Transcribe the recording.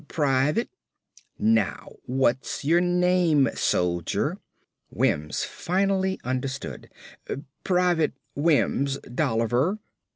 "Private." "Now, what's your name, soldier." Wims finally understood. "Private Wims, Dolliver."